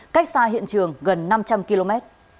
cách xa hiện trường gần năm trăm linh km